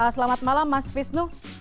selamat malam mas visnu